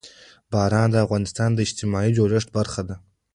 باران د افغانستان د اجتماعي جوړښت برخه ده.